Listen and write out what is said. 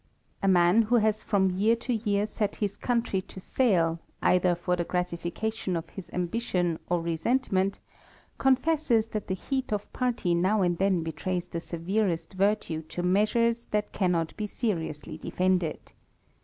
A man who has from year to year set his country to sale, either for the gratification of his ambition or resentment, confesses that the heat of party now and then betrays the severest virtue to measures that cannot be seriously defended.